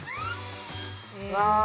うわ